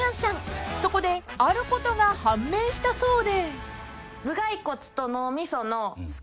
［そこであることが判明したそうで］